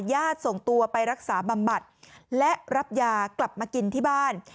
ส่งตัวไปรักษาบำบัดและรับยากลับมากินที่บ้าน